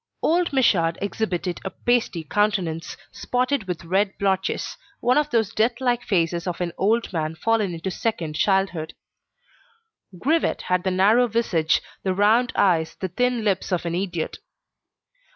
Old Michaud exhibited a pasty countenance, spotted with red blotches, one of those death like faces of an old man fallen into second childhood; Grivet had the narrow visage, the round eyes, the thin lips of an idiot.